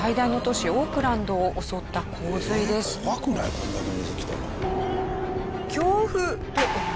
これだけ水来たら。